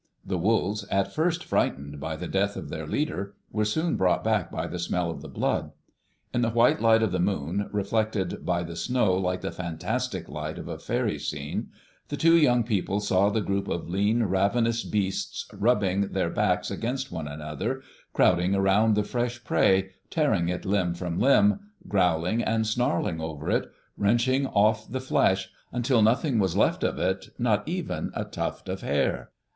The wolves, at first frightened by the death of their leader, were soon brought back by the smell of the blood. In the white light of the moon, reflected by the snow like the fantastic light of a fairy scene, the two young people saw the group of lean, ravenous beasts rubbing their backs against one another, crowding around the fresh prey, tearing it limb from limb, growling and snarling over it, wrenching off the flesh, until nothing was left of it, not even a tuft of hair.